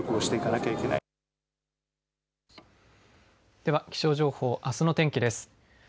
では気象情報あすの天気です。